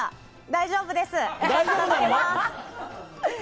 大丈夫です。